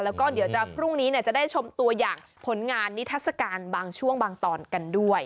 แล้วก็เดี๋ยวจะพรุ่งนี้จะได้ชมตัวอย่างผลงานนิทัศกาลบางช่วงบางตอนกันด้วย